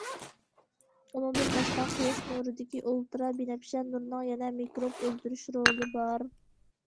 ئۇنىڭدىن باشقا، قۇياش نۇرىدىكى ئۇلترا بىنەپشە نۇرنىڭ يەنە مىكروب ئۆلتۈرۈش رولى بار.